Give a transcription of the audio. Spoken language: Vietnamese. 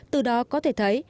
từ đó có thể thấy